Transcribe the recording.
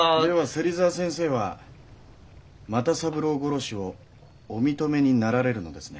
では芹沢先生は又三郎殺しをお認めになられるのですね？